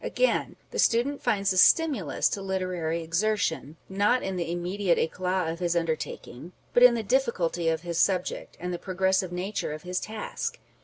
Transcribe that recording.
Again, the student finds a stimulus to literary exertion, not in the immediate eclat of his undertaking, but in the difficulty of his subject, and the progressive nature of his task.